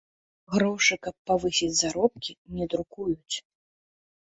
Грошы, каб павысіць заробкі, не друкуюць.